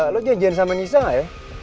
lo janjian sama nisa gak ya